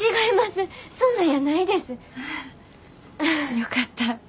よかった。